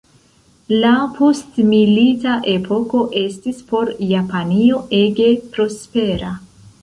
La postmilita epoko estis por Japanio ege prospera.